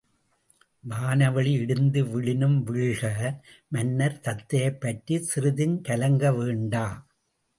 வானவெளி இடிந்து விழினும் வீழ்க, மன்னர் தத்தையைப் பற்றிச் சிறிதும் கலங்க வேண்டா.